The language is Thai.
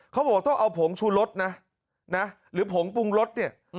เขาบอกว่าต้องเอาผงชูรสนะนะหรือผงปรุงรสเนี่ย